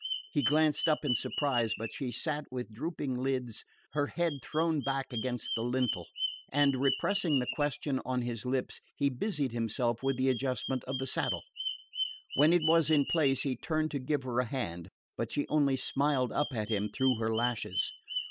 He glanced up in surprise, but she sat with drooping lids, her head thrown back against the lintel; and repressing the question on his lips he busied himself with the adjustment of the saddle. When it was in place he turned to give her a hand; but she only smiled up at him through her lashes.